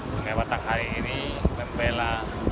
sungai batanghari ini membela